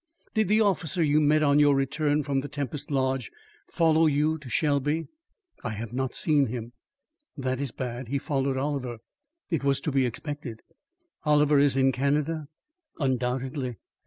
"Did the officer you met on your return from Tempest Lodge follow you to Shelby?" "I have not seen him." "That is bad. He followed Oliver." "It was to be expected." "Oliver is in Canada?" "Undoubtedly."